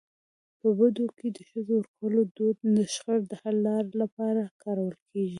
په بدو کي د ښځو ورکولو دود د شخړو د حل لپاره کارول کيږي.